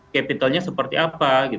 capitalnya seperti apa